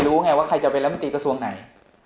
รู้ไงว่าใครจะเป็นรัฐมนตรีกระทรวงไหน